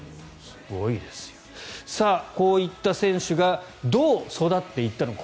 さあ、こういった選手がどう育っていったのか。